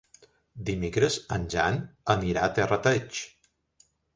Dimecres en Jan anirà a Terrateig.